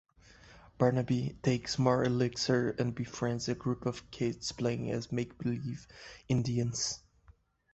Barnaby takes more elixir and befriends a group of kids playing as make-believe Indians.